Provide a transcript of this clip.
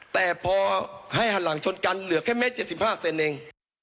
แต่พอให้หันหลังชนกันเหลือแค่เมตร๗๕เซนเอง